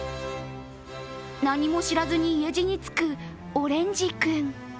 何も知らずに家路につくオレンジ君。